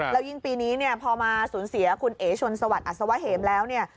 ซึ่งปีนี้พอมาสูญเสียคุณเอชลสวัสดิ์อัศวะเหมแล้วเนี่ย